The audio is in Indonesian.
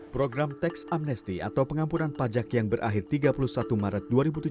program teks amnesti atau pengampunan pajak yang berakhir tiga puluh satu maret dua ribu tujuh belas